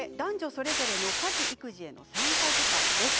男女それぞれの家事、育児への参加時間です。